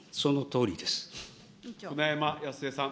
舟山康江さん。